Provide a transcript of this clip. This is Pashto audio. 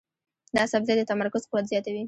دا سبزی د تمرکز قوت زیاتوي.